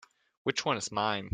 Which one is mine?